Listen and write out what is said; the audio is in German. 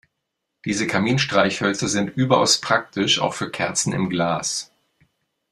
Diese Kaminstreichhölzer sind überaus praktisch, auch für Kerzen im Glas.